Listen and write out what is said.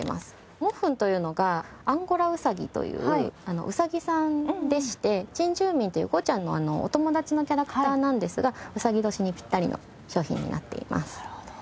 モッフンというのがアンゴラウサギというウサギさんでしてちんじゅうみんというゴーちゃん。のお友達のキャラクターなんですがうさぎ年にぴったりの商品になっています。